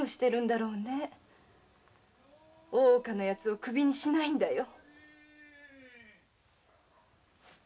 大岡のヤツをクビにしないんだよ。